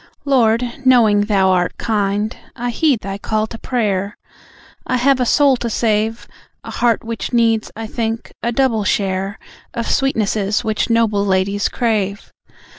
Lord, knowing Thou art kind, I heed Thy call to prayer. I have a soul to save; A heart which needs, I think, a double share Of sweetnesses which noble ladies crave.